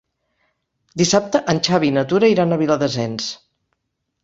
Dissabte en Xavi i na Tura iran a Viladasens.